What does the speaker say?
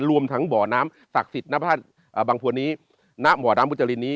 รวมทั้งบ่อน้ำศักดิ์สิทธิ์ณพระท่านบังฑวณีณหม่อน้ำมุจริน